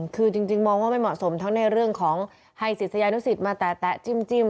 คือจริงมองว่าไม่เหมาะสมทั้งในเรื่องของให้ศิษยานุสิตมาแตะจิ้ม